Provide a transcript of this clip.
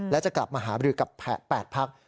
และจะกลับมาหาบรือกับ๘พัก